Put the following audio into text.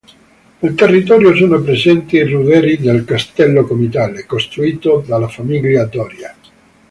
Nel territorio sono presenti i ruderi del castello comitale, costruito dalla famiglia Doria.